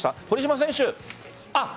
堀島選手